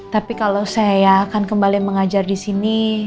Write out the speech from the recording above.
tapi kalau saya akan kembali mengajar di sini